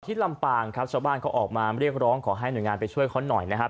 ลำปางครับชาวบ้านเขาออกมาเรียกร้องขอให้หน่วยงานไปช่วยเขาหน่อยนะครับ